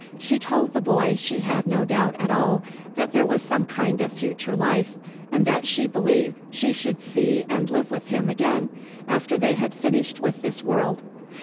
She told the boy she had no doubt at all that there was some kind of future life and that she believed she should see and live with him again after they had finished with this world.